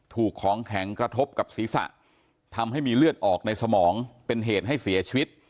ถูกของแข็งกระทบกับศีรษะทำให้มีเลือดออกในสมองเป็นเหตุให้เสียชีวิต